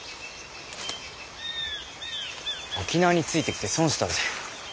沖縄についてきて損したぜ。